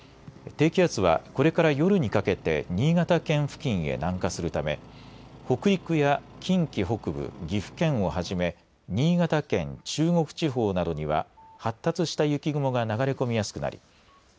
低気圧は、これから夜にかけて新潟県付近へ南下するため北陸や近畿北部、岐阜県をはじめ新潟県、中国地方などには発達した雪雲が流れ込みやすくなります。